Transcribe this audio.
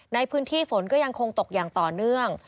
ในพื้นที่ฝนก็ยังคงตกอย่างต่อเนื่อง